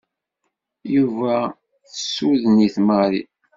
Yuba tessuden-it Marie.